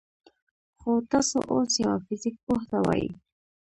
خو تاسو اوس يوه فزيك پوه ته ووايئ: